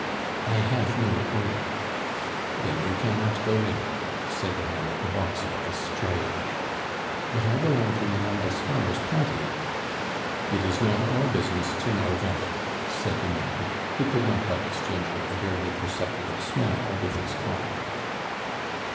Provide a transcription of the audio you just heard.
"I have no order." "Then you cannot go in," said the man at the box office drily. "But I belong to Mme. d'Espard's party." "It is not our business to know that," said the man, who could not help exchanging a barely perceptible smile with his colleague.